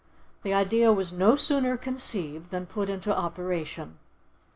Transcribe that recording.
The idea was no sooner conceived than put into operation.